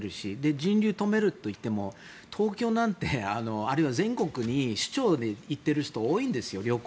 人流を止めると言っても東京なんてあるいは全国に出張に行っている人多いんですよ。